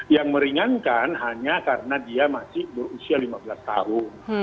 yang meringankan hanya karena dia masih berusia lima belas tahun